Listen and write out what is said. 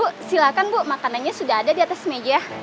bu silakan bu makanannya sudah ada di atas meja